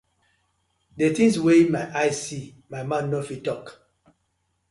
Di tinz wey my eye see my mouth no fit tok.